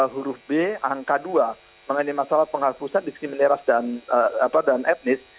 huruf b angka dua mengenai masalah pengharusan disiplin ras dan etnis